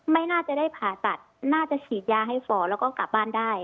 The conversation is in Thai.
ไม่น่าจะได้ผ่าตัดน่าจะฉีดยาให้ฝ่อแล้วก็กลับบ้านได้